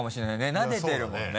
なでてるもんね。